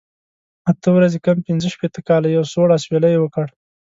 اته ورځې کم پنځه شپېته کاله، یو سوړ اسویلی یې وکړ.